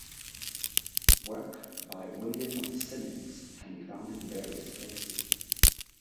Works by William Simmonds can be found in various places.